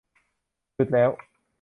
จุดแล้ว